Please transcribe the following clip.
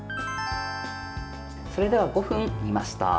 それでは５分煮ました。